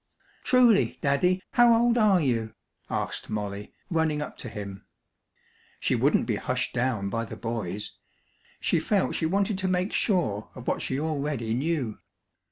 "Truly, Daddy, how old are you?" asked Molly, running up to him. She wouldn't be hushed down by the boys. She felt she wanted to make sure of what she already knew.